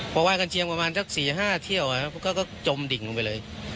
พอไหว้กันเชียงประมาณจากสี่ห้าเที่ยวนะครับก็ก็จมดิ่งลงไปเลย